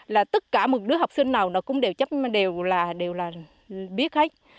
là tất cả một đứa học sinh nào nó cũng đều là đều là biết hết